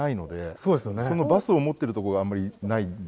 そのバスを持ってるとこがあんまりないので。